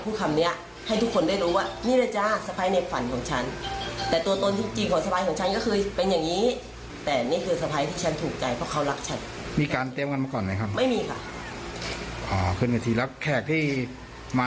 ดีค่ะเป็นเพื่อนรักมากค่ะเขาเหมือนลูกสาวเขาไม่เหมือนลูกสะพ้าย